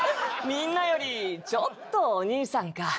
みんなよりちょっとお兄さんか。